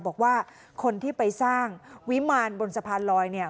บอกว่าคนที่ไปสร้างวิมารบนสะพานลอยเนี่ย